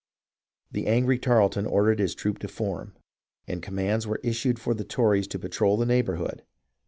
The angry Tarleton ordered his troop to form, and com mands were issued for the Tories to patrol the neighbour hood.